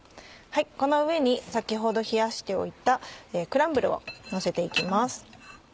この上に先ほど冷やしておいたクランブルをのせて行きます。